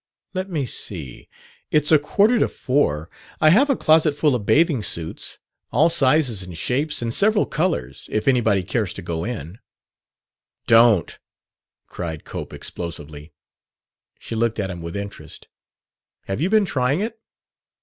Let me see; it's a quarter to four. I have a closetful of bathing suits, all sizes and shapes and several colors, if anybody cares to go in." "Don't!" cried Cope explosively. She looked at him with interest. "Have you been trying it?"